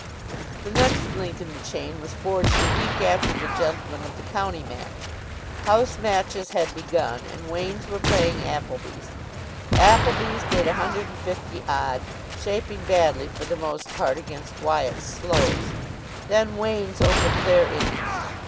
The next link in the chain was forged a week after the Gentlemen of the County match. House matches had begun, and Wain's were playing Appleby's. Appleby's made a hundred and fifty odd, shaping badly for the most part against Wyatt's slows. Then Wain's opened their innings.